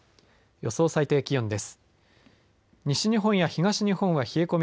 予想最低気温です。